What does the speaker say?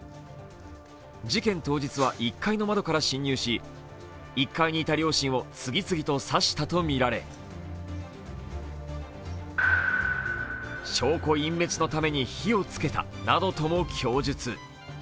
事件当日は１階の窓から侵入し、１階にいた両親を次々と刺したとみられ証拠隠滅のために火をつけたなどとも供述。